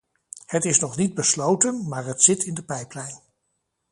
Het is nog niet besloten, maar het zit in de pijplijn.